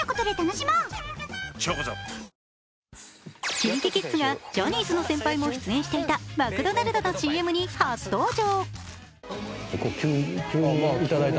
ＫｉｎＫｉＫｉｄｓがジャニーズの先輩も出演していたマクドナルドのＣＭに初登場。